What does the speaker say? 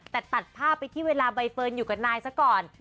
แต่ตัดภาพไปที่เวลาใบเฟิร์นอยู่กับนายซะก่อน